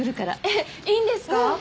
えっいいんですか？